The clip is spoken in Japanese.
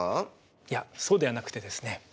いやそうではなくてですね